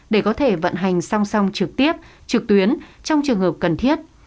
để có thể vận hành song song trực tiếp trực tuyến trong trường hợp cần thiết